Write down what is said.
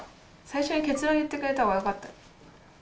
最初に結論言ってくれたほうがよかった。